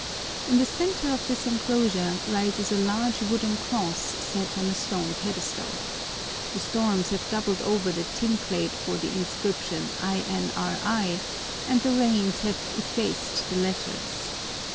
In the center of this enclosure rises a large wooden cross set on a stone pedestal. The storms have doubled over the tin plate for the inscription INRI, and the rains have effaced the letters.